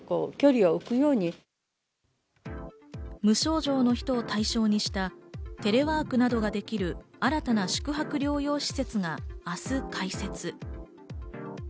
無症状の人を対象にしたテレワークなどができる新たな宿泊療養施設が明日、開設。